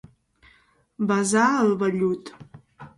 Besar el vellut.